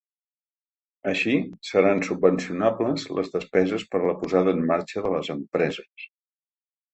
Així, seran subvencionables les despeses per a la posada en marxa de les empreses.